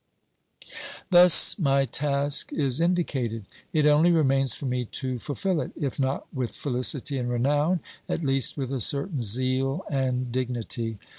Thus my task is indicated. It only remains for me to fulfil it, if not with felicity and renown, at least with a certain zeal and dignity.